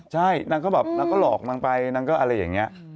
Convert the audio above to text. ใช่นางก็หลอกนางไปนางก็อะไรอย่างนี้